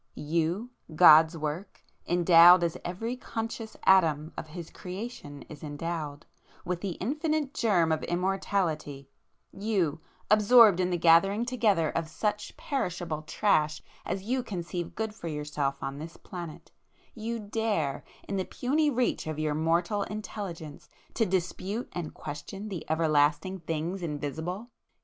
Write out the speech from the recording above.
"You,—God's work,—endowed as every conscious atom of His creation is endowed,—with the infinite germ of immortality;—you, absorbed in the gathering together of such perishable trash as you conceive good for yourself on this planet,—you dare, in the puny reach of your mortal intelligence to dispute and question the everlasting things invisible!